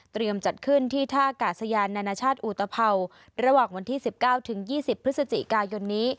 เตรียมจัดขึ้นที่ท่ากาศยานนาชาติอุตเผ่าระหว่างวันที่๑๙ถึง๒๐พฤศจิกายน